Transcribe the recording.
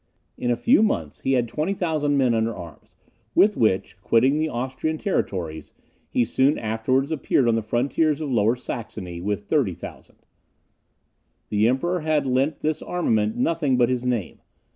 In a few months he had 20,000 men under arms, with which, quitting the Austrian territories, he soon afterwards appeared on the frontiers of Lower Saxony with 30,000. The Emperor had lent this armament nothing but his name.